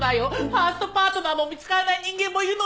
ファーストパートナーも見つからない人間もいるのに！